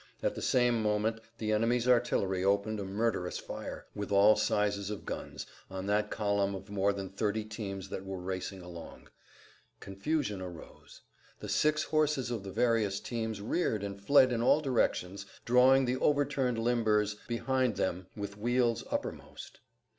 At the same moment the enemy's artillery opened a murderous fire, with all sizes of guns, on that column of more than thirty teams that were racing along. Confusion arose. The six horses of the various teams reared and fled in all directions, drawing the overturned limbers behind them with wheels uppermost.